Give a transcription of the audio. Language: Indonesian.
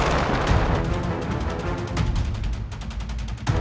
semakin berkembang sebenarnya hanya memilih betulnya